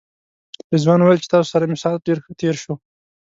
رضوان ویل چې تاسو سره مې ساعت ډېر ښه تېر شو.